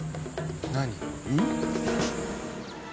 何？